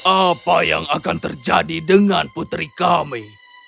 apa yang akan terjadi dengan putri kami